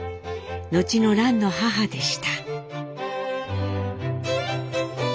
後の蘭の母でした。